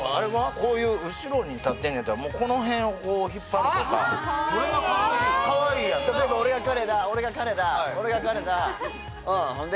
こういう後ろに立ってんねやったらもうこの辺をこう引っ張るとか・それはかわいいかわいいやん例えば俺が彼だ俺が彼だ俺が彼だうんほんで？